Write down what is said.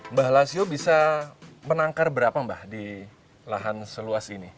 mbak lasio bisa menangkar berapa mbak di lahan seluas ini